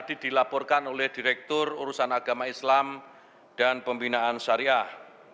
dari sembilan puluh sembilan titik ini ada yang melaporkan oleh direktur urusan agama islam dan pembinaan syariah